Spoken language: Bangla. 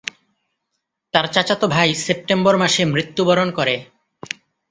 তার চাচাতো ভাই সেপ্টেম্বর মাসে মৃত্যুবরণ করে।